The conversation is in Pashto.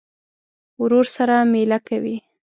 ورور سره مېله کوې.